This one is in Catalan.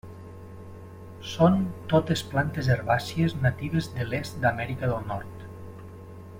Són totes plantes herbàcies natives de l'est d'Amèrica del Nord.